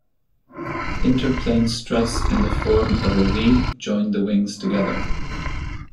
Interplane struts in the form of a "Vee" joined the wings together.